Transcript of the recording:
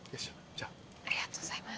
ありがとうございます。